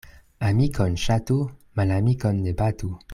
Amikon ŝatu, malamikon ne batu.